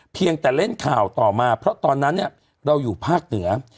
เพียงแต่เล่นข่าวต่อมาเพราะตอนนั้นเนี่ยเราอยู่ภาคเหนือ